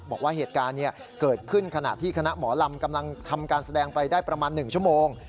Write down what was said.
บอกว่าเหตุการณ์เกิดขึ้นขณะที่คณะหมอลำกำลังทำการแสดงไปได้ประมาณ๑ชั่วโมง